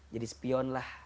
jadi spion lah